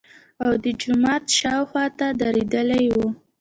او د جومات شاوخواته درېدلي وو.